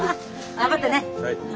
頑張ってね。